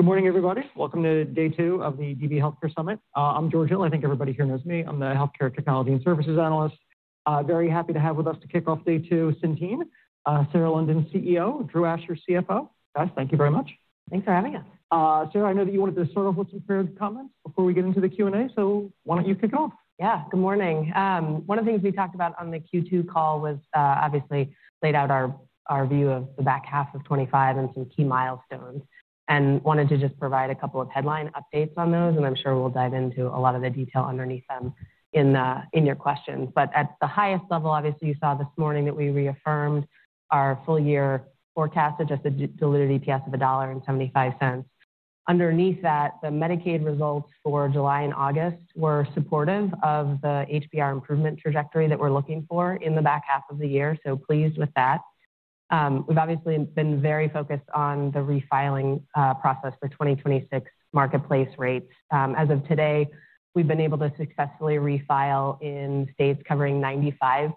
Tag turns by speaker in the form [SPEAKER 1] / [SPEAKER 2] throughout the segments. [SPEAKER 1] Good morning, everybody. Welcome to day two of the DB Healthcare Summit. I'm George Hill. I think everybody here knows me. I'm the Healthcare Technology and Services Analyst. Very happy to have with us to kick off day two, Sarah London, CEO, Drew Asher, CFO. Guys, thank you very much.
[SPEAKER 2] Thanks for having us.
[SPEAKER 1] Sarah, I know that you wanted to start off with some prepared comments before we get into the Q&A. Why don't you kick it off?
[SPEAKER 2] Yeah, good morning. One of the things we talked about on the Q2 call was obviously laid out our view of the back half of 2025 and some key milestones. I wanted to just provide a couple of headline updates on those. I'm sure we'll dive into a lot of the detail underneath them in your questions. At the highest level, you saw this morning that we reaffirmed our full-year forecast, which is the diluted EPS of $1.75. Underneath that, the Medicaid results for July and August were supportive of the HBR improvement trajectory that we're looking for in the back half of the year. I'm pleased with that. We've been very focused on the refiling process for 2026 Health Insurance Marketplace rates. As of today, we've been able to successfully refile in states covering 95%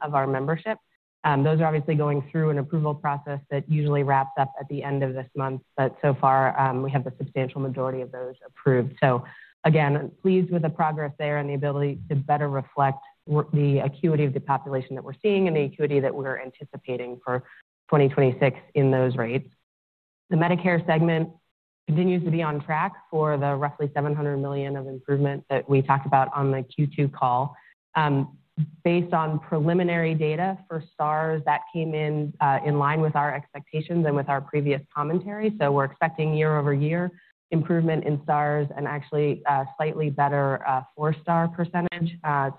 [SPEAKER 2] of our membership. Those are going through an approval process that usually wraps up at the end of this month. So far, we have the substantial majority of those approved. I'm pleased with the progress there and the ability to better reflect the acuity of the population that we're seeing and the acuity that we're anticipating for 2026 in those rates. The Medicare segment continues to be on track for the roughly $700 million of improvement that we talked about on the Q2 call. Based on preliminary data for STARS, that came in in line with our expectations and with our previous commentary. We're expecting year-over-year improvement in STARS and actually a slightly better four-star percentage.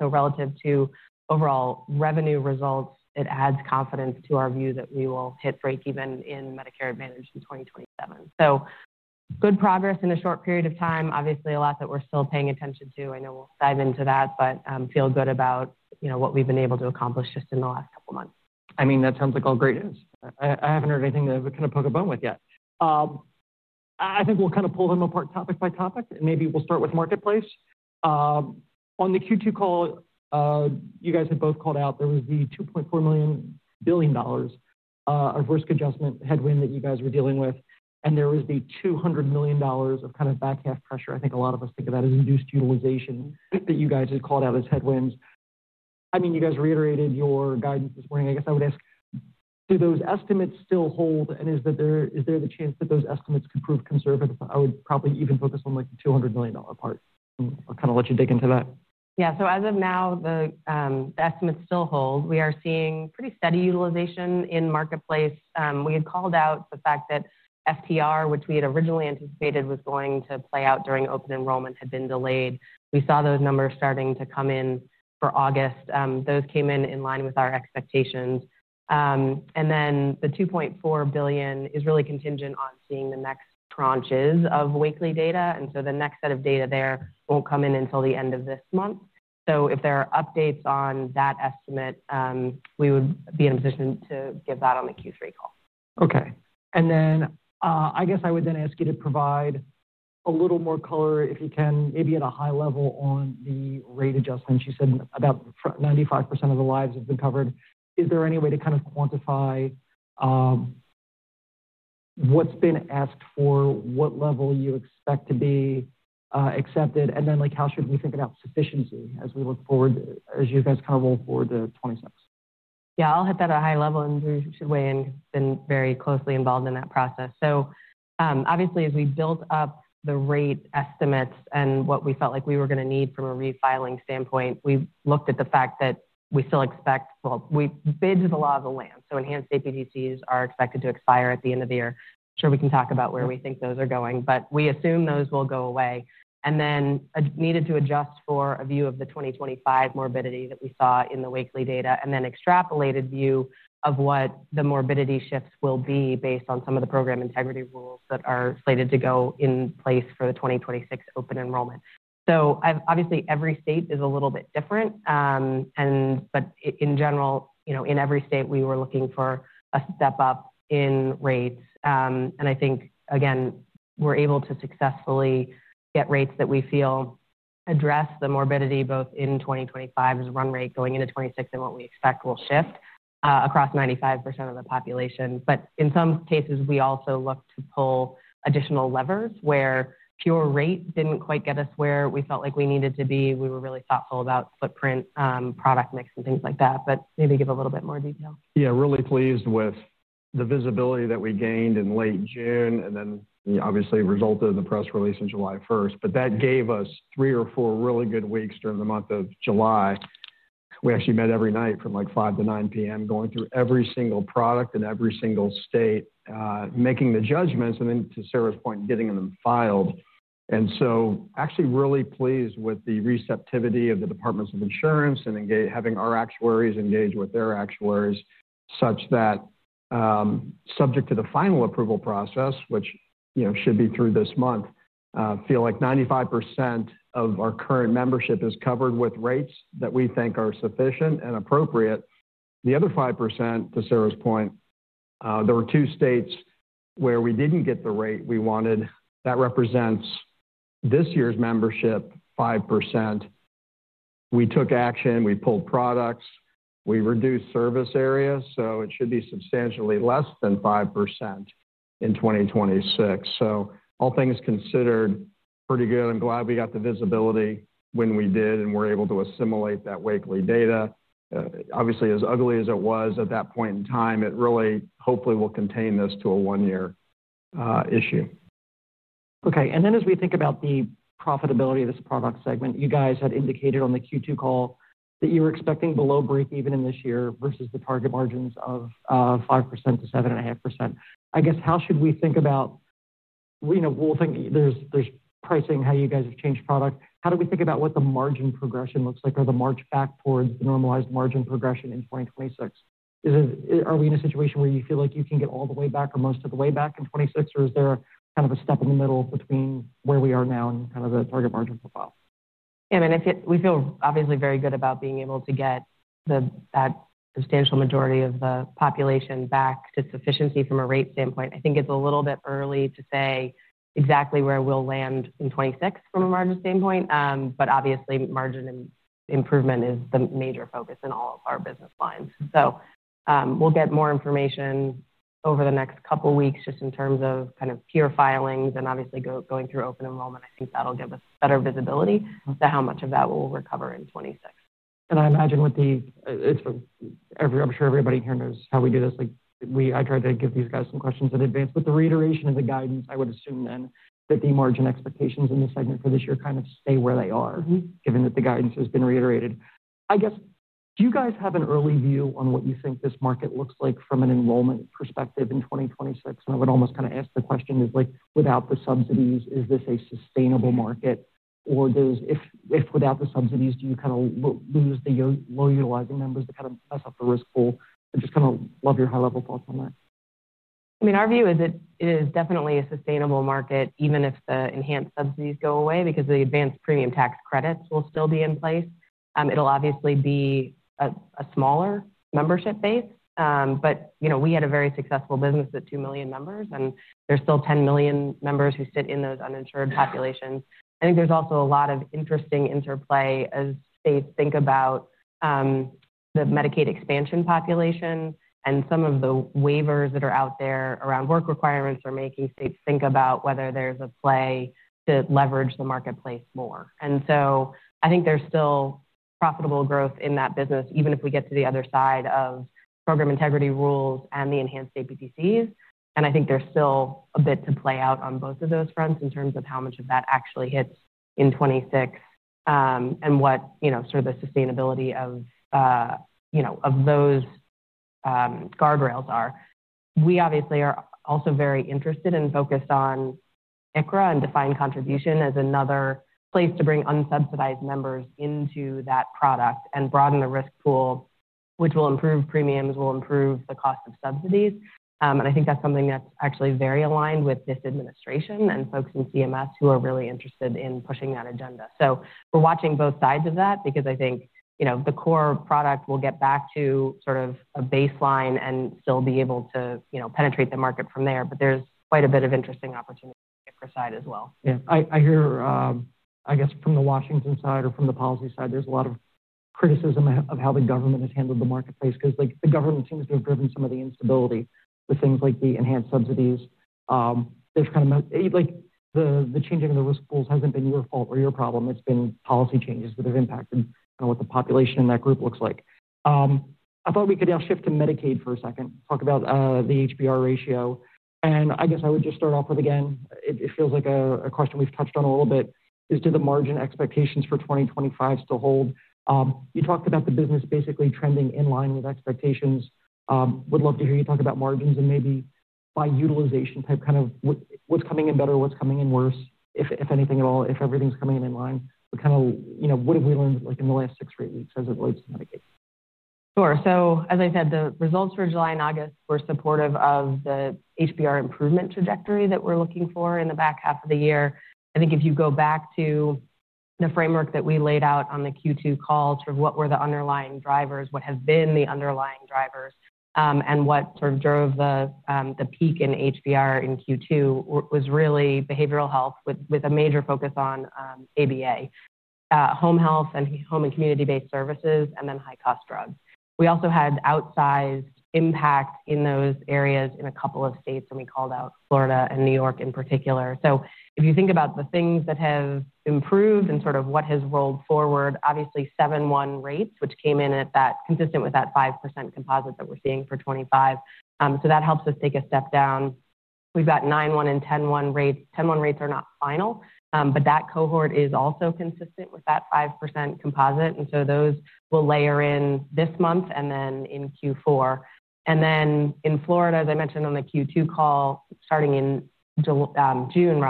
[SPEAKER 2] Relative to overall revenue results, it adds confidence to our view that we will hit break even in Medicare Advantage in 2027. Good progress in a short period of time. There's a lot that we're still paying attention to. I know we'll dive into that, but I feel good about what we've been able to accomplish just in the last couple of months.
[SPEAKER 1] I mean, that sounds like all great news. I haven't heard anything that we kind of poke a bone with yet. I think we'll kind of pull them apart topic by topic. Maybe we'll start with Marketplace. On the Q2 call, you guys had both called out there was the $2.4 billion of risk adjustment headwind that you guys were dealing with, and there was the $200 million of kind of back half pressure. I think a lot of us think of that as induced utilization that you guys had called out as headwinds. I mean, you guys reiterated your guidance this morning. I guess I would ask, do those estimates still hold? Is there the chance that those estimates could prove conservative? I would probably even focus on like the $200 million part and kind of let you dig into that.
[SPEAKER 2] Yeah, as of now, the estimates still hold. We are seeing pretty steady utilization in Marketplace. We had called out the fact that FTR, which we had originally anticipated was going to play out during open enrollment, had been delayed. We saw those numbers starting to come in for August. Those came in in line with our expectations. The $2.4 billion is really contingent on seeing the next tranches of weekly data. The next set of data there won't come in until the end of this month. If there are updates on that estimate, we would be in a position to give that on the Q3 call.
[SPEAKER 1] OK. I would then ask you to provide a little more color, if you can, maybe at a high level on the rate adjustments. You said about 95% of the lives have been covered. Is there any way to kind of quantify what's been asked for, what level you expect to be accepted? How should we think about sufficiency as we look forward, as you guys kind of roll forward to 2026?
[SPEAKER 2] Yeah, I'll hit that at a high level. Drew should weigh in because he's been very closely involved in that process. Obviously, as we built up the rate estimates and what we felt like we were going to need from a refiling standpoint, we looked at the fact that we still expect, we bid to the law of the land. Enhanced APTCs are expected to expire at the end of the year. I'm sure we can talk about where we think those are going. We assume those will go away and then needed to adjust for a view of the 2025 morbidity that we saw in the weekly data and then extrapolated view of what the morbidity shifts will be based on some of the program integrity rules that are slated to go in place for the 2026 open enrollment. Obviously, every state is a little bit different. In general, in every state, we were looking for a step up in rates. I think, again, we're able to successfully get rates that we feel address the morbidity both in 2025 as run rate going into 2026 and what we expect will shift across 95% of the population. In some cases, we also looked to pull additional levers where pure rate didn't quite get us where we felt like we needed to be. We were really thoughtful about footprint, product mix, and things like that. Maybe give a little bit more detail.
[SPEAKER 3] Yeah, really pleased with the visibility that we gained in late June and then obviously resulted in the press release on July 1. That gave us three or four really good weeks during the month of July. We actually met every night from like 5:00 to 9:00 P.M. going through every single product in every single state, making the judgments, and then, to Sarah's point, getting them filed. Actually really pleased with the receptivity of the Departments of Insurance and having our actuaries engage with their actuaries such that, subject to the final approval process, which should be through this month, I feel like 95% of our current membership is covered with rates that we think are sufficient and appropriate. The other 5%, to Sarah's point, there were two states where we didn't get the rate we wanted. That represents this year's membership, 5%. We took action. We pulled products. We reduced service area. It should be substantially less than 5% in 2026. All things considered, pretty good. I'm glad we got the visibility when we did and were able to assimilate that weekly data. Obviously, as ugly as it was at that point in time, it really hopefully will contain this to a one-year issue.
[SPEAKER 1] OK. As we think about the profitability of this product segment, you guys had indicated on the Q2 call that you were expecting below break even in this year versus the target margins of 5% to 7.5%. I guess how should we think about, you know, there's pricing, how you guys have changed product. How do we think about what the margin progression looks like or the march back towards the normalized margin progression in 2026? Are we in a situation where you feel like you can get all the way back or most of the way back in 2026? Is there kind of a step in the middle between where we are now and the target margin profile?
[SPEAKER 2] Yeah, I mean, we feel obviously very good about being able to get that substantial majority of the population back to sufficiency from a rate standpoint. I think it's a little bit early to say exactly where we'll land in 2026 from a margin standpoint. Margin improvement is the major focus in all of our business lines. We'll get more information over the next couple of weeks just in terms of kind of pure filings and obviously going through open enrollment. I think that'll give us better visibility to how much of that we'll recover in 2026.
[SPEAKER 1] I imagine with the, I'm sure everybody here knows how we do this. I tried to give these guys some questions in advance. The reiteration of the guidance, I would assume then that the margin expectations in the segment for this year kind of stay where they are, given that the guidance has been reiterated. I guess do you guys have an early view on what you think this market looks like from an enrollment perspective in 2026? I would almost kind of ask the question of, without the subsidies, is this a sustainable market? If without the subsidies, do you kind of lose the low utilizing numbers to kind of mess up the risk pool? I'd just kind of love your high-level thoughts on that.
[SPEAKER 2] I mean, our view is it is definitely a sustainable market even if the enhanced subsidies go away because the Advanced Premium Tax Credits will still be in place. It'll obviously be a smaller membership base. We had a very successful business at 2 million members, and there's still 10 million members who sit in those uninsured populations. I think there's also a lot of interesting interplay as states think about the Medicaid expansion population and some of the waivers that are out there around work requirements are making states think about whether there's a play to leverage the Health Insurance Marketplace more. I think there's still profitable growth in that business even if we get to the other side of program integrity rules and the enhanced APTCs. I think there's still a bit to play out on both of those fronts in terms of how much of that actually hits in 2026 and what sort of the sustainability of those guardrails are. We obviously are also very interested and focused on ICRA and defined contribution as another place to bring unsubsidized members into that product and broaden the risk pool, which will improve premiums, will improve the cost of subsidies. I think that's something that's actually very aligned with this administration and folks in CMS who are really interested in pushing that agenda. We're watching both sides of that because I think the core product will get back to sort of a baseline and still be able to penetrate the market from there. There's quite a bit of interesting opportunity on the ICRA side as well.
[SPEAKER 1] Yeah, I hear, I guess from the Washington side or from the policy side, there's a lot of criticism of how the government has handled the Marketplace because the government seems to have driven some of the instability with things like the enhanced subsidies. There's kind of like the changing of the risk pools hasn't been your fault or your problem. It's been policy changes that have impacted kind of what the population in that group looks like. I thought we could now shift to Medicaid for a second, talk about the HBR ratio. I guess I would just start off with, again, it feels like a question we've touched on a little bit is, do the margin expectations for 2025 still hold? You talked about the business basically trending in line with expectations. Would love to hear you talk about margins and maybe by utilization type kind of what's coming in better, what's coming in worse, if anything at all, if everything's coming in in line. What have we learned in the last six or eight weeks as it relates to Medicaid?
[SPEAKER 2] Sure. As I said, the results for July and August were supportive of the HBR improvement trajectory that we're looking for in the back half of the year. If you go back to the framework that we laid out on the Q2 call, what were the underlying drivers, what have been the underlying drivers, and what drove the peak in HBR in Q2 was really behavioral health with a major focus on ABA, home health, and home and community-based services, and then high-cost drugs. We also had outsized impact in those areas in a couple of states. We called out Florida and New York in particular. If you think about the things that have improved and what has rolled forward, obviously 7/1 rates, which came in consistent with that 5% composite that we're seeing for 2025. That helps us take a step down. We've got 9/1 and 10/1 rates. 10/1 rates are not final, but that cohort is also consistent with that 5% composite. Those will layer in this month and then in Q4. In Florida, as I mentioned on the Q2 call, starting in June,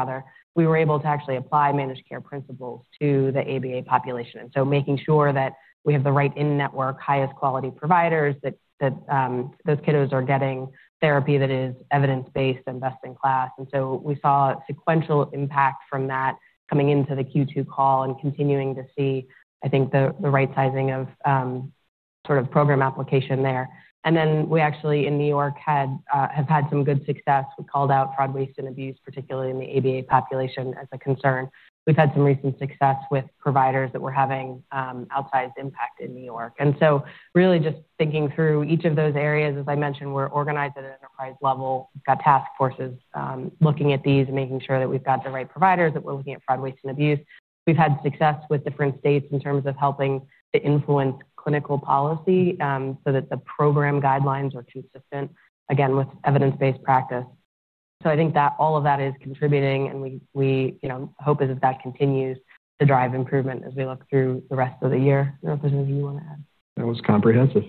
[SPEAKER 2] we were able to actually apply managed care principles to the ABA population, making sure that we have the right in-network highest quality providers, that those kiddos are getting therapy that is evidence-based and best in class. We saw a sequential impact from that coming into the Q2 call and continuing to see the right sizing of program application there. In New York, we have had some good success. We called out fraud, waste, and abuse, particularly in the ABA population, as a concern. We've had some recent success with providers that were having outsized impact in New York. Really just thinking through each of those areas, as I mentioned, we're organized at an enterprise level. We've got task forces looking at these and making sure that we've got the right providers, that we're looking at fraud, waste, and abuse. We've had success with different states in terms of helping to influence clinical policy so that the program guidelines are consistent with evidence-based practice. I think that all of that is contributing, and we hope that continues to drive improvement as we look through the rest of the year. I don't know if there's anything you want to add.
[SPEAKER 3] That was comprehensive.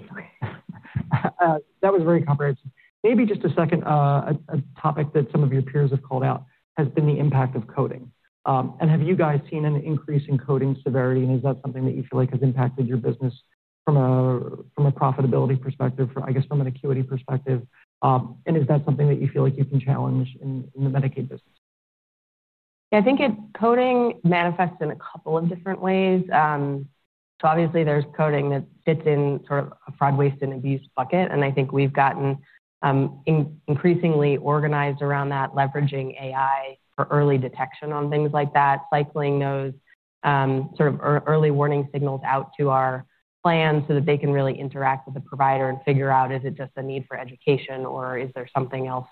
[SPEAKER 1] That was very comprehensive. Maybe just a second, a topic that some of your peers have called out has been the impact of coding. Have you guys seen an increase in coding severity? Is that something that you feel like has impacted your business from a profitability perspective, I guess from an acuity perspective? Is that something that you feel like you can challenge in the Medicaid business?
[SPEAKER 2] Yeah, I think coding manifests in a couple of different ways. Obviously, there's coding that fits in sort of a fraud, waste, and abuse bucket. I think we've gotten increasingly organized around that, leveraging AI for early detection on things like that, cycling those early warning signals out to our plans so that they can really interact with the provider and figure out, is it just a need for education, or is there something else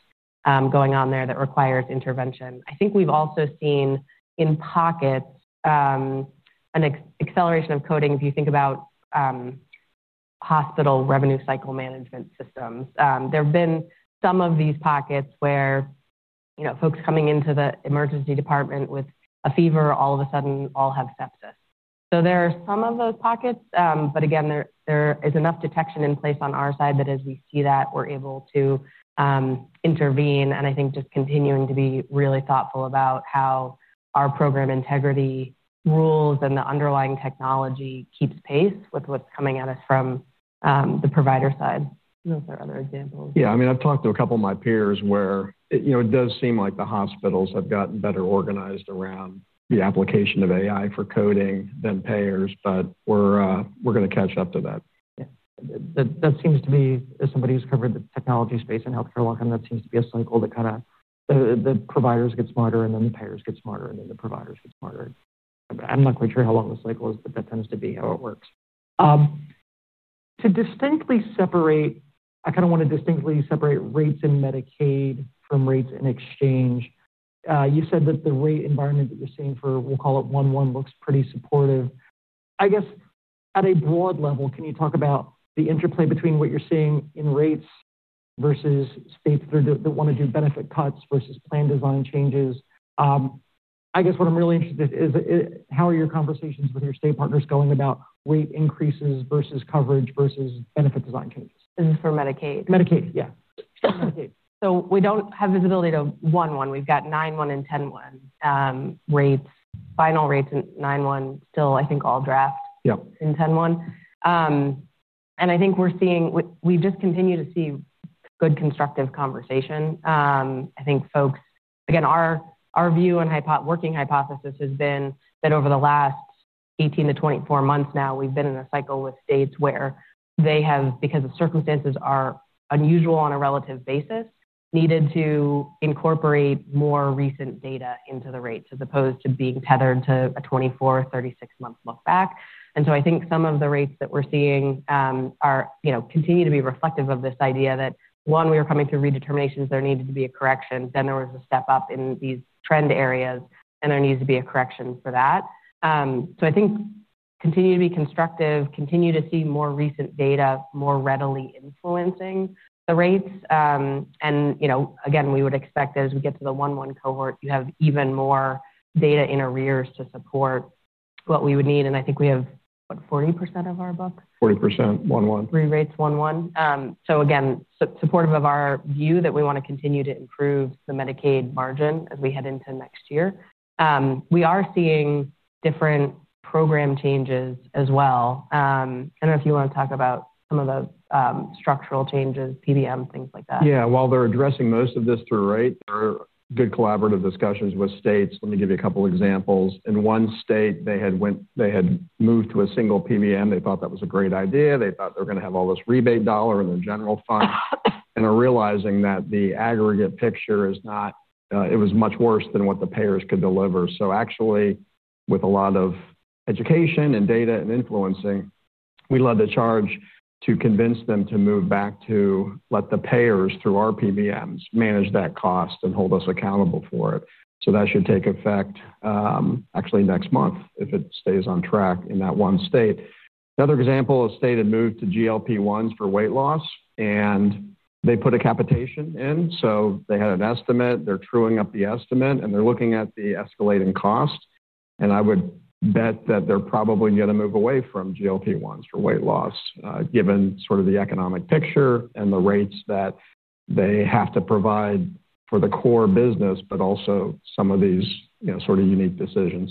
[SPEAKER 2] going on there that requires intervention? I think we've also seen in pockets an acceleration of coding. If you think about hospital revenue cycle management systems, there have been some of these pockets where folks coming into the emergency department with a fever all of a sudden all have sepsis. There are some of those pockets. Again, there is enough detection in place on our side that as we see that, we're able to intervene. I think just continuing to be really thoughtful about how our program integrity rules and the underlying technology keep pace with what's coming at us from the provider side. I don't know if there are other examples.
[SPEAKER 3] Yeah, I mean, I've talked to a couple of my peers where it does seem like the hospitals have gotten better organized around the application of AI for coding than payers. We're going to catch up to that.
[SPEAKER 1] Yeah, that seems to me, as somebody who's covered the technology space in healthcare a long time, that seems to be a cycle that kind of the providers get smarter, and then the payers get smarter, and then the providers get smarter. I'm not quite sure how long the cycle is, but that tends to be how it works. To distinctly separate, I kind of want to distinctly separate rates in Medicaid from rates in exchange. You said that the rate environment that you're seeing for, we'll call it 1-1, looks pretty supportive. I guess at a broad level, can you talk about the interplay between what you're seeing in rates versus states that want to do benefit cuts versus plan design changes? I guess what I'm really interested in is how are your conversations with your state partners going about rate increases versus coverage versus benefit design changes?
[SPEAKER 2] This is for Medicaid?
[SPEAKER 1] Medicaid, yeah.
[SPEAKER 2] We don't have visibility to 1-1. We've got 9-1 and 10-1 rates, final rates in 9-1 still, I think, all draft in 10-1. I think we're seeing, we just continue to see good constructive conversation. I think folks, again, our view and working hypothesis has been that over the last 18 to 24 months now, we've been in a cycle with states where they have, because the circumstances are unusual on a relative basis, needed to incorporate more recent data into the rates as opposed to being tethered to a 24, 36-month look back. I think some of the rates that we're seeing continue to be reflective of this idea that, one, we are coming through redeterminations. There needed to be a correction. There was a step up in these trend areas. There needs to be a correction for that. I think continue to be constructive, continue to see more recent data more readily influencing the rates. We would expect that as we get to the 1-1 cohort, you have even more data in arrears to support what we would need. I think we have what, 40% of our book?
[SPEAKER 3] 40% 1-1.
[SPEAKER 2] Three rates, 1-1. Again, supportive of our view that we want to continue to improve the Medicaid margin as we head into next year. We are seeing different program changes as well. I don't know if you want to talk about some of the structural changes, PBM, things like that.
[SPEAKER 3] Yeah, while they're addressing most of this through, right, there are good collaborative discussions with states. Let me give you a couple of examples. In one state, they had moved to a single PBM. They thought that was a great idea. They thought they were going to have all this rebate dollar in their general funds and are realizing that the aggregate picture is not, it was much worse than what the payers could deliver. Actually, with a lot of education and data and influencing, we led the charge to convince them to move back to let the payers through our PBMs manage that cost and hold us accountable for it. That should take effect actually next month if it stays on track in that one state. Another example, a state had moved to GLP-1s for weight loss. They put a capitation in. They had an estimate. They're truing up the estimate. They're looking at the escalating cost. I would bet that they're probably going to move away from GLP-1s for weight loss given sort of the economic picture and the rates that they have to provide for the core business, but also some of these sort of unique decisions.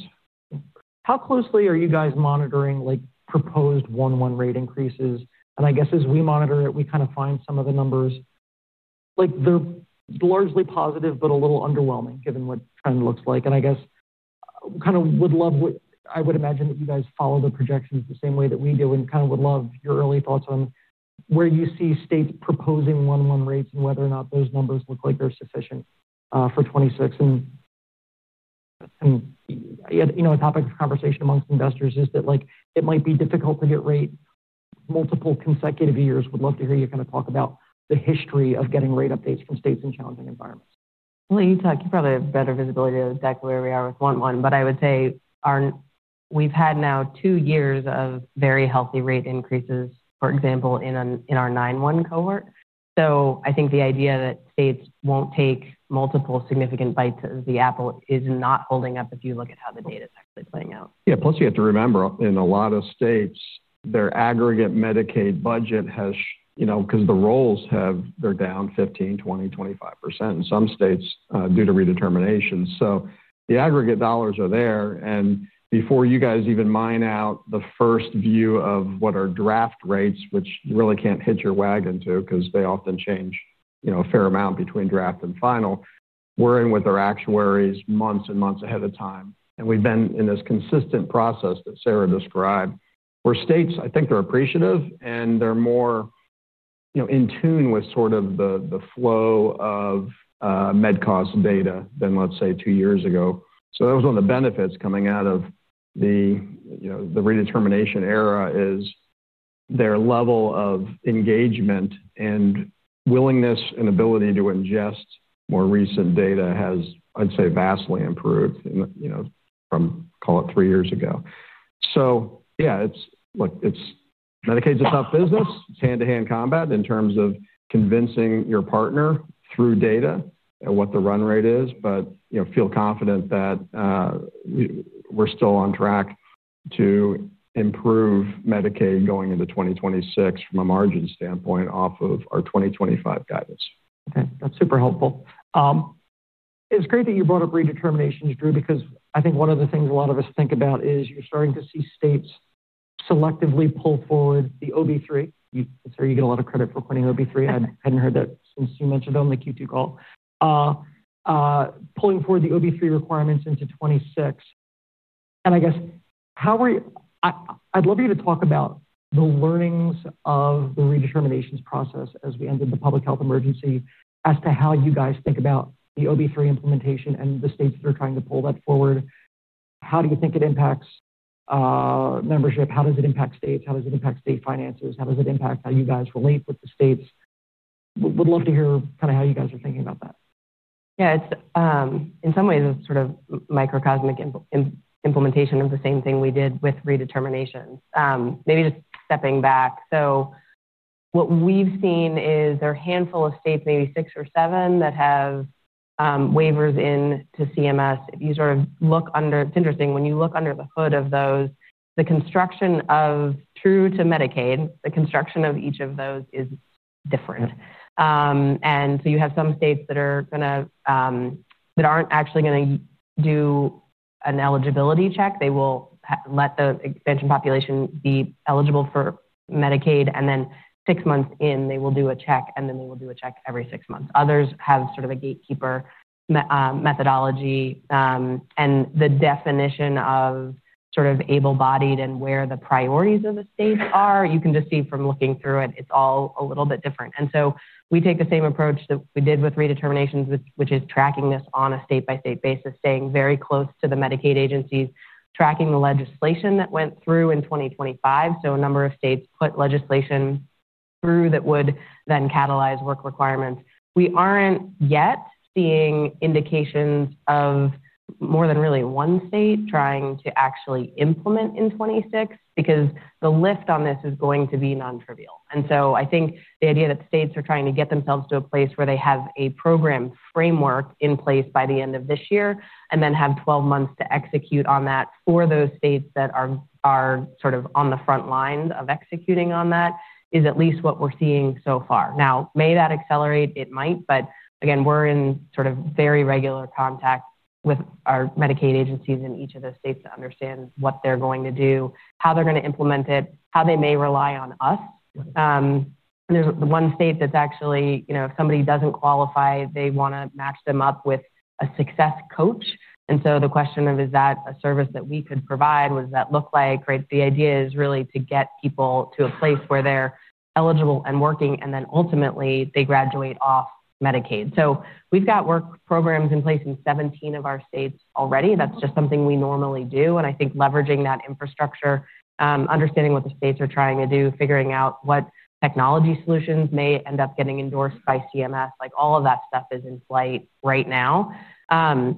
[SPEAKER 1] How closely are you guys monitoring proposed 1-1 rate increases? As we monitor it, we kind of find some of the numbers like they're largely positive, but a little underwhelming given what trend looks like. I would imagine that you guys follow the projections the same way that we do and kind of would love your early thoughts on where you see states proposing 1-1 rates and whether or not those numbers look like they're sufficient for 2026. A topic of conversation amongst investors is that it might be difficult to hit rate multiple consecutive years. Would love to hear you kind of talk about the history of getting rate updates from states in challenging environments.
[SPEAKER 2] You probably have better visibility to the deck where we are with 1-1, but I would say we've had now two years of very healthy rate increases, for example, in our 9-1 cohort. I think the idea that states won't take multiple significant bites of the apple is not holding up if you look at how the data is actually playing out.
[SPEAKER 3] Yeah, plus you have to remember in a lot of states, their aggregate Medicaid budget has, because the rolls have, they're down 15%, 20%, 25% in some states due to redetermination. The aggregate dollars are there. Before you guys even mine out the first view of what are draft rates, which you really can't hitch your wagon to because they often change a fair amount between draft and final, we're in with their actuaries months and months ahead of time. We've been in this consistent process that Sarah described where states, I think they're appreciative. They're more in tune with sort of the flow of med cost data than, let's say, two years ago. That was one of the benefits coming out of the redetermination era, is their level of engagement and willingness and ability to ingest more recent data has, I'd say, vastly improved from, call it, three years ago. Yeah, Medicaid's a tough business. It's hand-to-hand combat in terms of convincing your partner through data and what the run rate is. Feel confident that we're still on track to improve Medicaid going into 2026 from a margin standpoint off of our 2025 guidance.
[SPEAKER 1] OK, that's super helpful. It's great that you brought up redeterminations, Drew, because I think one of the things a lot of us think about is you're starting to see states selectively pull forward the OB-3. I'm sorry, you get a lot of credit for pointing OB-3. I hadn't heard that since you mentioned it on the Q2 call. Pulling forward the OB-3 requirements into 2026. I guess how are you, I'd love you to talk about the learnings of the redeterminations process as we entered the public health emergency as to how you guys think about the OB-3 implementation and the states that are trying to pull that forward. How do you think it impacts membership? How does it impact states? How does it impact state finances? How does it impact how you guys relate with the states? Would love to hear kind of how you guys are thinking about that.
[SPEAKER 2] Yeah, in some ways, it's sort of microcosmic implementation of the same thing we did with redeterminations. Maybe just stepping back. What we've seen is there are a handful of states, maybe six or seven, that have waivers into CMS. If you sort of look under, it's interesting, when you look under the hood of those, the construction of true to Medicaid, the construction of each of those is different. You have some states that are going to, that aren't actually going to do an eligibility check. They will let the expansion population be eligible for Medicaid, and then six months in, they will do a check, and then they will do a check every six months. Others have sort of a gatekeeper methodology. The definition of sort of able-bodied and where the priorities of the states are, you can just see from looking through it, it's all a little bit different. We take the same approach that we did with redeterminations, which is tracking this on a state-by-state basis, staying very close to the Medicaid agencies, tracking the legislation that went through in 2025. A number of states put legislation through that would then catalyze work requirements. We aren't yet seeing indications of more than really one state trying to actually implement in 2026 because the lift on this is going to be nontrivial. I think the idea that states are trying to get themselves to a place where they have a program framework in place by the end of this year and then have 12 months to execute on that for those states that are sort of on the front lines of executing on that is at least what we're seeing so far. May that accelerate? It might. We're in sort of very regular contact with our Medicaid agencies in each of those states to understand what they're going to do, how they're going to implement it, how they may rely on us. There's the one state that's actually, if somebody doesn't qualify, they want to match them up with a success coach. The question of, is that a service that we could provide? What does that look like? The idea is really to get people to a place where they're eligible and working, and then ultimately, they graduate off Medicaid. We've got work programs in place in 17 of our states already. That's just something we normally do. I think leveraging that infrastructure, understanding what the states are trying to do, figuring out what technology solutions may end up getting endorsed by CMS, all of that stuff is in flight right now.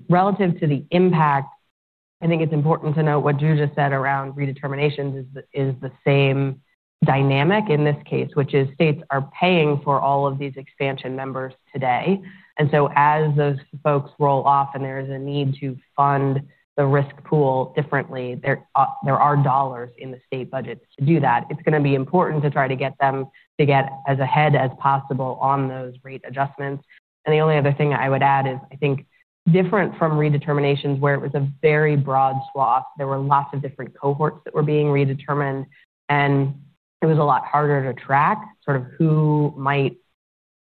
[SPEAKER 2] Relative to the impact, I think it's important to note what Drew just said around redeterminations is the same dynamic in this case, which is states are paying for all of these expansion numbers today. As those folks roll off and there is a need to fund the risk pool differently, there are dollars in the state budget to do that. It's going to be important to try to get them to get as ahead as possible on those rate adjustments. The only other thing I would add is I think different from redeterminations where it was a very broad swath. There were lots of different cohorts that were being redetermined, and it was a lot harder to track sort of who might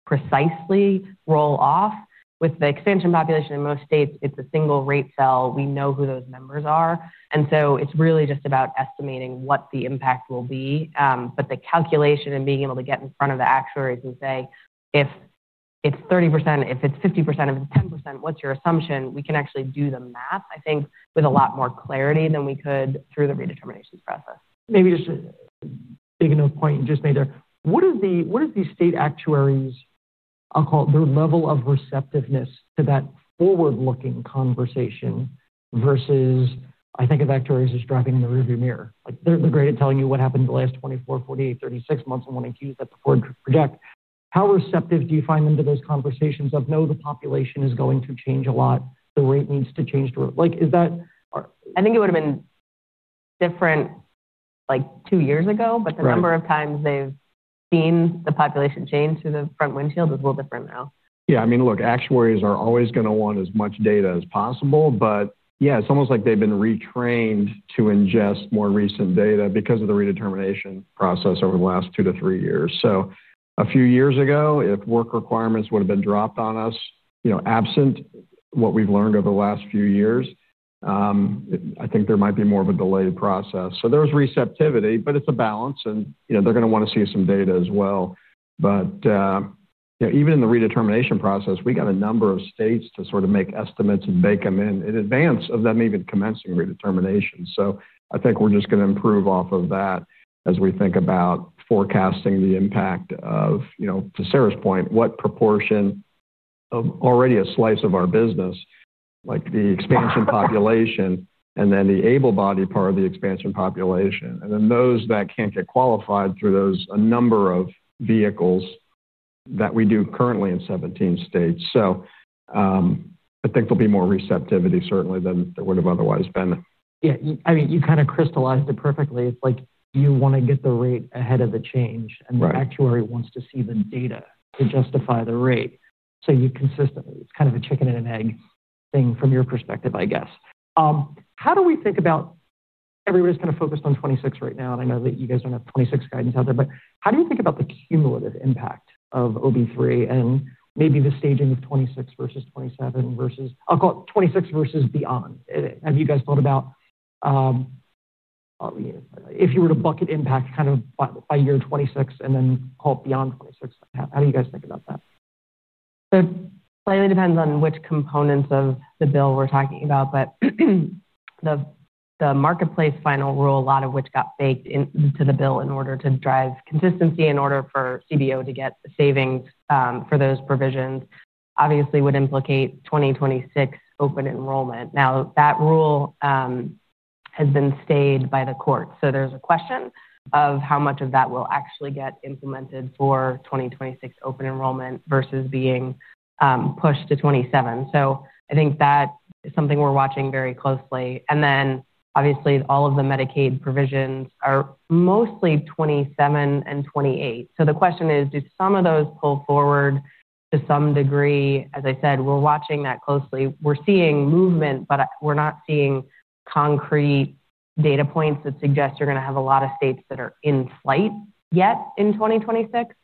[SPEAKER 2] precisely roll off. With the expansion population in most states, it's a single rate cell. We know who those members are, so it's really just about estimating what the impact will be. The calculation and being able to get in front of the actuaries and say, if it's 30%, if it's 50%, if it's 10%, what's your assumption? We can actually do the math, I think, with a lot more clarity than we could through the redeterminations process.
[SPEAKER 1] Maybe just a big enough point you just made there. What is the state actuaries, I'll call it their level of receptiveness to that forward-looking conversation versus I think of actuaries just driving in the rearview mirror? They're great at telling you what happened in the last 24, 48, 36 months and want to keep that forward project. How receptive do you find them to those conversations of, no, the population is going to change a lot. The rate needs to change to it.
[SPEAKER 2] I think it would have been different like two years ago. The number of times they've seen the population change to the front windshield is a little different now.
[SPEAKER 3] Yeah, I mean, look, actuaries are always going to want as much data as possible. It's almost like they've been retrained to ingest more recent data because of the redetermination process over the last two to three years. A few years ago, if work requirements would have been dropped on us, absent what we've learned over the last few years, I think there might be more of a delayed process. There's receptivity. It's a balance, and they're going to want to see some data as well. Even in the redetermination process, we got a number of states to sort of make estimates and bake them in in advance of them even commencing redetermination. I think we're just going to improve off of that as we think about forecasting the impact of, to Sarah's point, what proportion of already a slice of our business, like the expansion population and then the able-bodied part of the expansion population, and then those that can't get qualified through those a number of vehicles that we do currently in 17 states. I think there'll be more receptivity certainly than there would have otherwise been.
[SPEAKER 1] Yeah, I mean, you kind of crystallized it perfectly. It's like you want to get the rate ahead of the change, and the actuary wants to see the data to justify the rate. You consistently, it's kind of a chicken and an egg thing from your perspective, I guess. How do we think about, everybody's kind of focused on 2026 right now. I know that you guys don't have 2026 guidance out there, but how do you think about the cumulative impact of OB-3 and maybe the staging of 2026 versus 2027 versus, I'll call it 2026 versus beyond? Have you guys thought about if you were to bucket impact kind of by year, 2026 and then call it beyond 2026? How do you guys think about that?
[SPEAKER 2] It slightly depends on which components of the bill we're talking about. The Marketplace final rule, a lot of which got baked into the bill in order to drive consistency, in order for CBO to get savings for those provisions, obviously would implicate 2026 open enrollment. That rule has been stayed by the court. There is a question of how much of that will actually get implemented for 2026 open enrollment versus being pushed to 2027. I think that is something we're watching very closely. Obviously, all of the Medicaid provisions are mostly 2027 and 2028. The question is, do some of those pull forward to some degree? As I said, we're watching that closely. We're seeing movement. We're not seeing concrete data points that suggest you're going to have a lot of states that are in flight yet in 2026.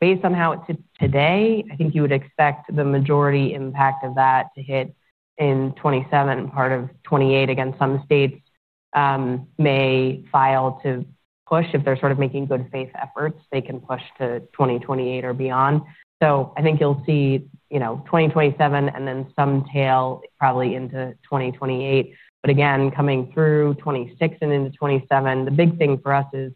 [SPEAKER 2] Based on how it sits today, I think you would expect the majority impact of that to hit in 2027, part of 2028. Some states may file to push. If they're sort of making good faith efforts, they can push to 2028 or beyond. I think you'll see 2027 and then some tail probably into 2028. Again, coming through 2026 and into 2027, the big thing for us is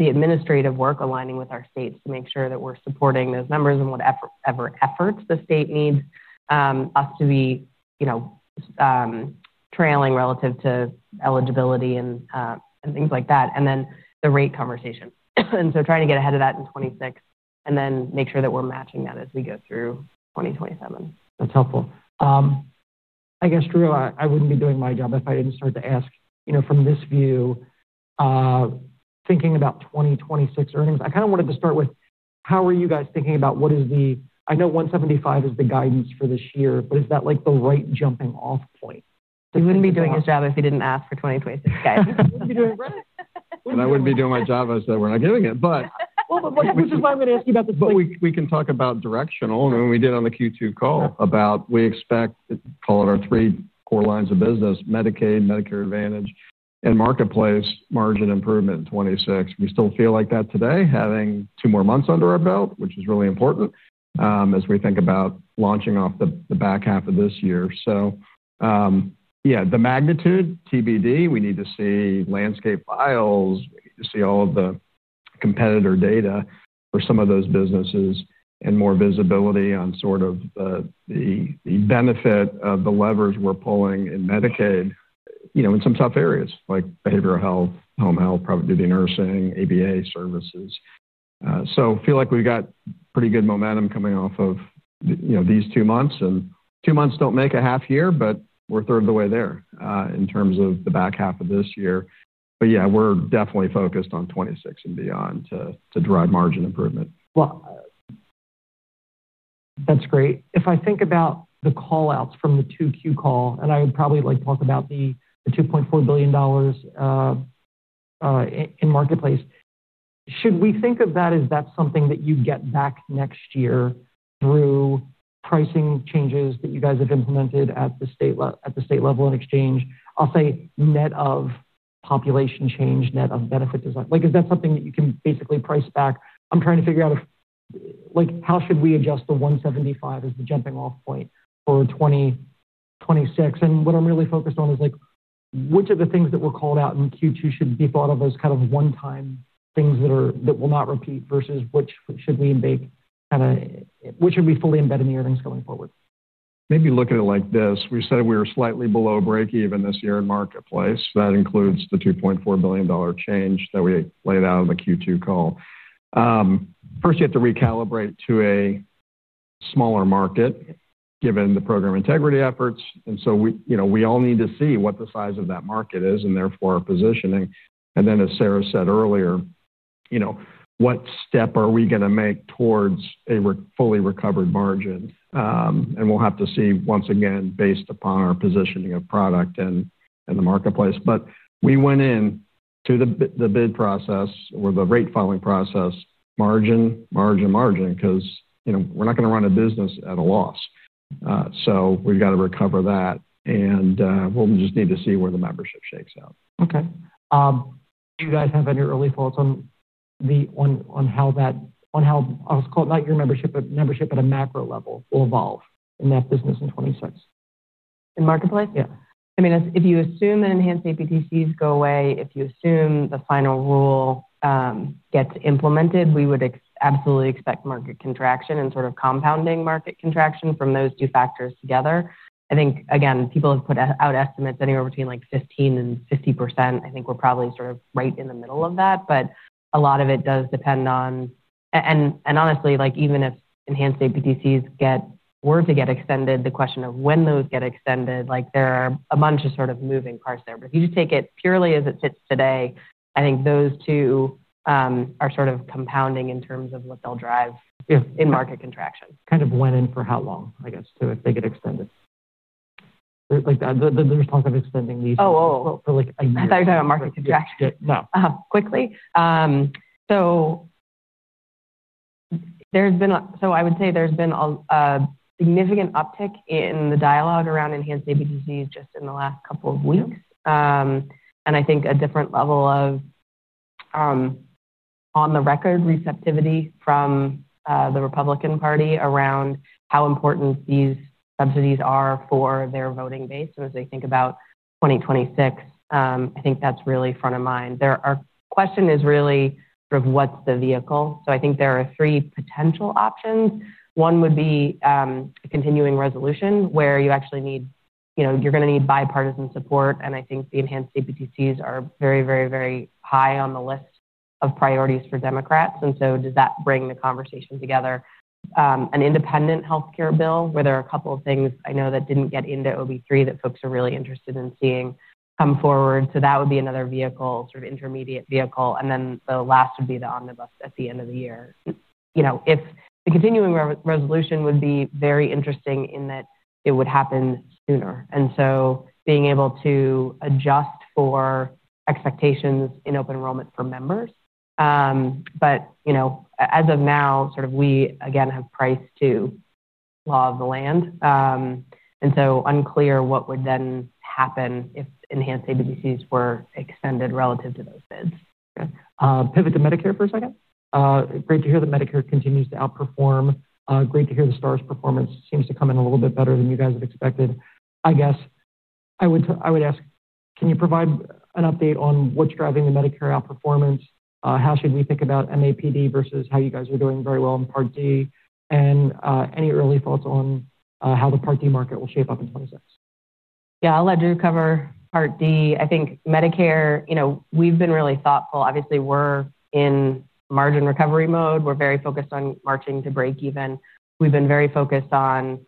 [SPEAKER 2] the administrative work aligning with our states to make sure that we're supporting those numbers and whatever efforts the state needs us to be trailing relative to eligibility and things like that. The rate conversation, trying to get ahead of that in 2026 and then make sure that we're matching that as we go through 2027.
[SPEAKER 1] That's helpful. I guess, Drew, I wouldn't be doing my job if I didn't start to ask, from this view, thinking about 2026 earnings, I kind of wanted to start with how are you guys thinking about what is the, I know $1.75 is the guidance for this year. Is that like the right jumping-off point?
[SPEAKER 2] You wouldn't be doing this job if you didn't ask for 2026 guidance.
[SPEAKER 1] You wouldn't be doing it, right?
[SPEAKER 3] I wouldn't be doing my job if I said we're not giving it.
[SPEAKER 1] Which is why I'm going to ask you about this.
[SPEAKER 3] We can talk about directional. We did on the Q2 call about we expect, call it our three core lines of business, Medicaid, Medicare Advantage, and Marketplace margin improvement in 2026. We still feel like that today, having two more months under our belt, which is really important as we think about launching off the back half of this year. The magnitude, TBD. We need to see landscape files. We need to see all of the competitor data for some of those businesses and more visibility on the benefit of the levers we're pulling in Medicaid in some tough areas like behavioral health, home health, private duty nursing, ABA services. I feel like we've got pretty good momentum coming off of these two months. Two months don't make a half year. We're a third of the way there in terms of the back half of this year. We're definitely focused on 2026 and beyond to drive margin improvement.
[SPEAKER 1] That's great. If I think about the callouts from the Q2 call, I would probably like to talk about the $2.4 billion in Marketplace. Should we think of that as that's something that you get back next year through pricing changes that you guys have implemented at the state level in Exchange? I'll say net of population change, net of benefit design. Is that something that you can basically price back? I'm trying to figure out how should we adjust the 175 as the jumping-off point for 2026. What I'm really focused on is which of the things that were called out in Q2 should be thought of as kind of one-time things that will not repeat versus which should be fully embedded in your earnings going forward.
[SPEAKER 3] Maybe look at it like this. We said we were slightly below break even this year in Marketplace. That includes the $2.4 billion change that we laid out in the Q2 call. First, you have to recalibrate to a smaller market given the program integrity efforts. We all need to see what the size of that market is and therefore our positioning. As Sarah said earlier, what step are we going to make towards a fully recovered margin? We'll have to see once again based upon our positioning of product and the Marketplace. We went into the bid process or the rate filing process, margin, margin, margin because we're not going to run a business at a loss. We've got to recover that. We'll just need to see where the membership shakes out.
[SPEAKER 1] OK. Do you guys have any early thoughts on how that, on how I'll just call it not your membership, but membership at a macro level will evolve in that business in 2026?
[SPEAKER 2] In marketplace? Yeah. I mean, if you assume that enhanced APTCs go away, if you assume the final rule gets implemented, we would absolutely expect market contraction and sort of compounding market contraction from those two factors together. I think, again, people have put out estimates anywhere between like 15% and 50%. I think we're probably sort of right in the middle of that. A lot of it does depend on, and honestly, even if enhanced APTCs were to get extended, the question of when those get extended, there are a bunch of sort of moving parts there. If you just take it purely as it sits today, I think those two are sort of compounding in terms of what they'll drive in market contraction.
[SPEAKER 1] Kind of when and for how long, I guess, too, if they get extended. The response of extending these.
[SPEAKER 2] Oh, I'm sorry. You're talking about market contraction?
[SPEAKER 1] No.
[SPEAKER 2] Quickly. I would say there's been a significant uptick in the dialogue around enhanced APTCs just in the last couple of weeks. I think a different level of on-the-record receptivity from the Republican Party around how important these subsidies are for their voting base. As they think about 2026, I think that's really front of mind. Our question is really sort of what's the vehicle? I think there are three potential options. One would be a continuing resolution where you actually need, you're going to need bipartisan support. I think the enhanced APTCs are very, very, very high on the list of priorities for Democrats. Does that bring the conversation together? An independent health care bill where there are a couple of things I know that didn't get into OB-3 that folks are really interested in seeing come forward would be another vehicle, sort of intermediate vehicle. The last would be the omnibus at the end of the year. The continuing resolution would be very interesting in that it would happen sooner, and so being able to adjust for expectations in open enrollment for members. As of now, we, again, have priced to law of the land. It is unclear what would then happen if enhanced APTCs were extended relative to those bids.
[SPEAKER 1] Pivot to Medicare for a second. Great to hear that Medicare continues to outperform. Great to hear that STARS performance seems to come in a little bit better than you guys have expected. I guess I would ask, can you provide an update on what's driving the Medicare outperformance? How should we think about MAPD versus how you guys are doing very well in Part D? Any early thoughts on how the Part D market will shape up in 2026?
[SPEAKER 2] Yeah, I'll let Drew cover Part D. I think Medicare, you know, we've been really thoughtful. Obviously, we're in margin recovery mode. We're very focused on marching to break even. We've been very focused on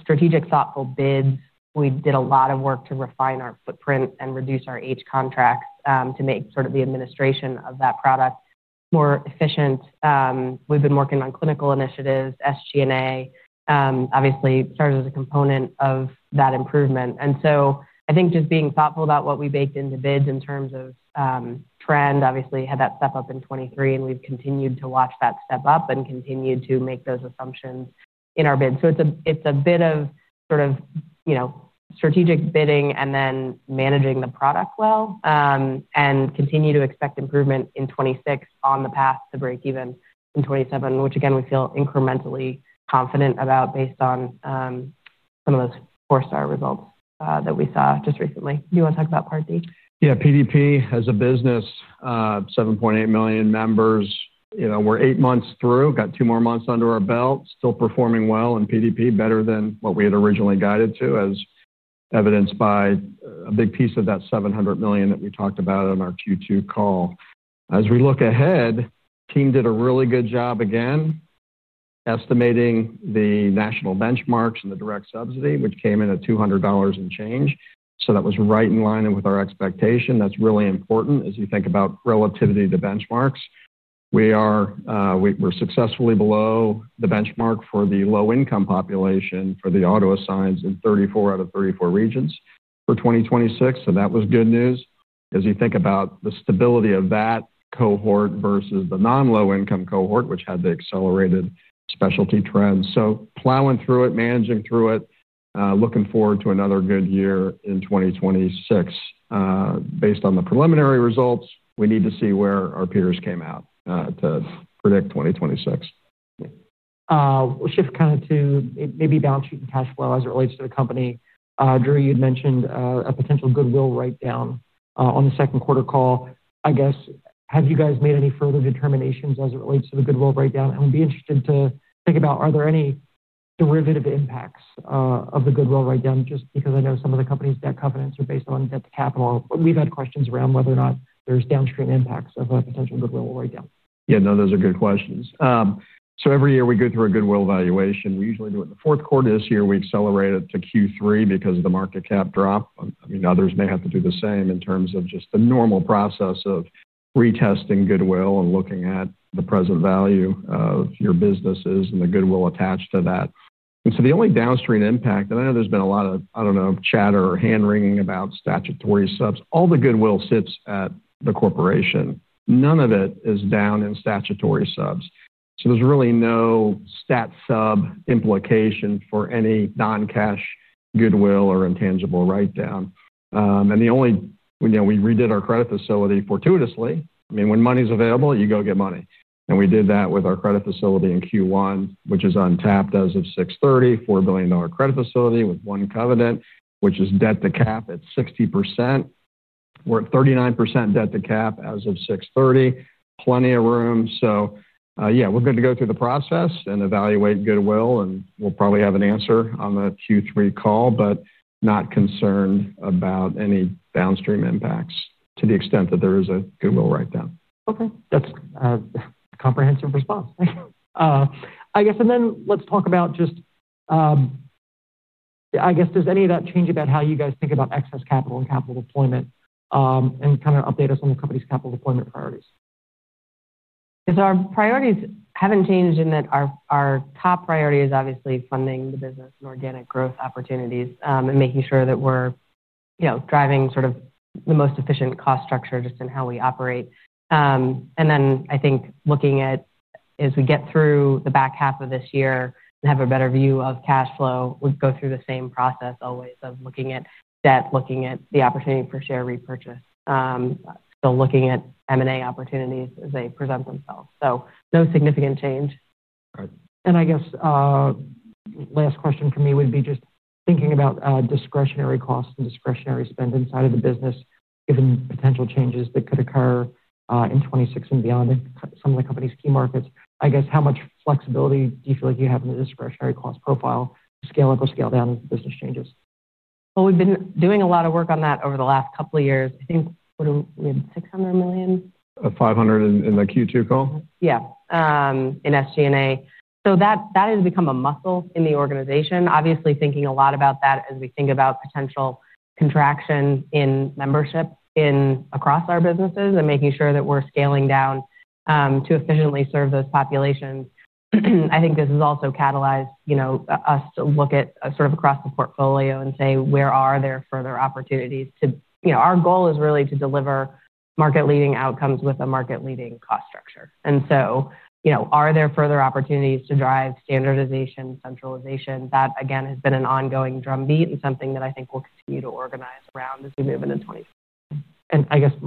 [SPEAKER 2] strategic, thoughtful bids. We did a lot of work to refine our footprint and reduce our age contracts to make sort of the administration of that product more efficient. We've been working on clinical initiatives, SG&A. Obviously, STARS is a component of that improvement. I think just being thoughtful about what we baked into bids in terms of trend, obviously had that step up in 2023. We've continued to watch that step up and continued to make those assumptions in our bids. It's a bit of strategic bidding and then managing the product well and continue to expect improvement in 2026 on the path to break even in 2027, which again, we feel incrementally confident about based on some of those four-star results that we saw just recently. Do you want to talk about Part D?
[SPEAKER 3] Yeah, PDP as a business, 7.8 million members. We're eight months through, got two more months under our belt, still performing well in PDP, better than what we had originally guided to, as evidenced by a big piece of that $700 million that we talked about on our Q2 call. As we look ahead, the team did a really good job again estimating the national benchmarks and the direct subsidy, which came in at $200 and change. That was right in line with our expectation. That's really important as you think about relativity to benchmarks. We're successfully below the benchmark for the low-income population for the auto-assigns in 34 out of 34 regions for 2026. That was good news as you think about the stability of that cohort versus the non-low-income cohort, which had the accelerated specialty trend. Plowing through it, managing through it, looking forward to another good year in 2026. Based on the preliminary results, we need to see where our peers came out to predict 2026.
[SPEAKER 1] We'll shift kind of to maybe balance sheet and cash flow as it relates to the company. Drew, you'd mentioned a potential goodwill write-down on the second quarter call. I guess have you guys made any further determinations as it relates to the goodwill write-down? I'd be interested to think about, are there any derivative impacts of the goodwill write-down? Just because I know some of the companies' debt covenants are based on debt to capital. We've had questions around whether or not there's downstream impacts of a potential goodwill write-down.
[SPEAKER 3] Yeah, no, those are good questions. Every year we go through a goodwill evaluation. We usually do it in the fourth quarter. This year, we accelerate it to Q3 because of the market cap drop. Others may have to do the same in terms of just the normal process of retesting goodwill and looking at the present value of your businesses and the goodwill attached to that. The only downstream impact, and I know there's been a lot of, I don't know, chatter or hand-wringing about statutory subs, all the goodwill sits at the corporation. None of it is down in statutory subs. There's really no stat sub implication for any non-cash goodwill or intangible write-down. We redid our credit facility fortuitously. When money's available, you go get money. We did that with our credit facility in Q1, which is untapped as of 6/30, $4 billion credit facility with one covenant, which is debt to cap at 60%. We're at 39% debt to cap as of 6/30. Plenty of room. We're going to go through the process and evaluate goodwill. We'll probably have an answer on the Q3 call, but not concerned about any downstream impacts to the extent that there is a goodwill write-down.
[SPEAKER 1] OK, that's a comprehensive response. I guess, does any of that change how you guys think about excess capital and capital deployment, and kind of update us on the company's capital deployment priorities?
[SPEAKER 2] Our priorities haven't changed in that our top priority is obviously funding the business and organic growth opportunities and making sure that we're driving the most efficient cost structure just in how we operate. I think looking at, as we get through the back half of this year and have a better view of cash flow, we go through the same process always of looking at debt, looking at the opportunity for share repurchase, still looking at M&A opportunities as they present themselves. No significant change.
[SPEAKER 1] The last question for me would be just thinking about discretionary costs and discretionary spend inside of the business, given potential changes that could occur in 2026 and beyond in some of the company's key markets. I guess how much flexibility do you feel like you have in the discretionary cost profile to scale up or scale down business changes?
[SPEAKER 2] We've been doing a lot of work on that over the last couple of years. I think what are we, $600 million?
[SPEAKER 3] $500 in the Q2 call?
[SPEAKER 2] Yeah, in SG&A. That has become a muscle in the organization. Obviously, thinking a lot about that as we think about potential contraction in membership across our businesses and making sure that we're scaling down to efficiently serve those populations. I think this has also catalyzed us to look at sort of across the portfolio and say, where are there further opportunities to, our goal is really to deliver market-leading outcomes with a market-leading cost structure. Are there further opportunities to drive standardization, centralization? That, again, has been an ongoing drumbeat and something that I think we'll continue to organize around as we move into 2026.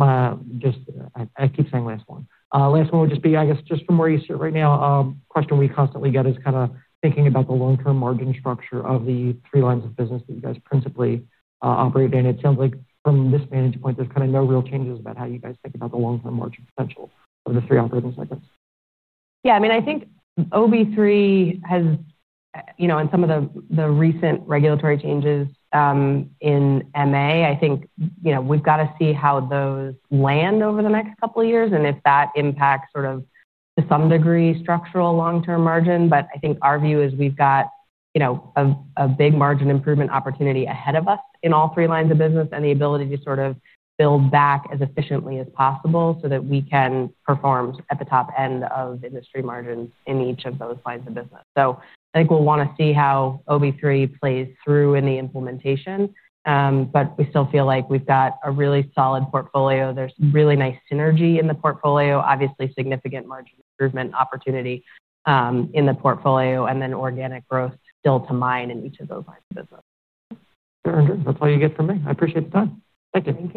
[SPEAKER 1] I keep saying last one. Last one would just be, I guess, just from where you sit right now, a question we constantly get is kind of thinking about the long-term margin structure of the three lines of business that you guys principally operate in. It sounds like from this vantage point, there's kind of no real changes about how you guys think about the long-term margin potential of the three operating segments.
[SPEAKER 2] Yeah, I mean, I think OB-3 has, in some of the recent regulatory changes in Medicare Advantage, I think we've got to see how those land over the next couple of years and if that impacts, to some degree, structural long-term margin. I think our view is we've got a big margin improvement opportunity ahead of us in all three lines of business and the ability to build back as efficiently as possible so that we can perform at the top end of industry margins in each of those lines of business. I think we'll want to see how OB-3 plays through in the implementation. We still feel like we've got a really solid portfolio. There's really nice synergy in the portfolio, obviously significant margin improvement opportunity in the portfolio, and then organic growth still to mine in each of those lines of business.
[SPEAKER 1] All right, Drew, that's all you get from me. I appreciate the time. Thank you.